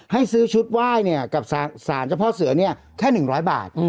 ให้ซื้อชุดไหว้กับสารเจ้าพ่อเสือแค่๑๐๐บาท